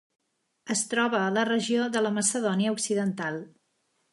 Es troba a la regió de la Macedònia Occidental.